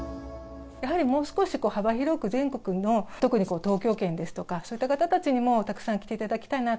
やはりもう少し幅広く全国の、特に東京圏ですとか、そういった方たちにも、たくさん来ていただきたいな。